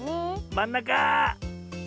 まんなか！